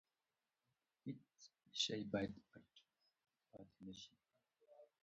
هیڅ شی باید پټ پاتې نه شي.